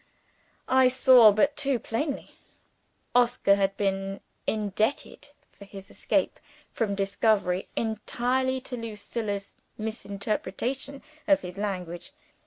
I saw but too plainly. Oscar had been indebted for his escape from discovery entirely to Lucilla's misinterpretation of his language.